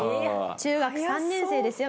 中学３年生ですよ